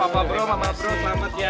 mama bro mama bro selamat ya